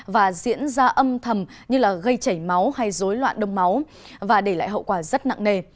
và diễn ra âm thầm như gây chảy máu hay dối loạn đông máu và để lại hậu quả rất nặng nề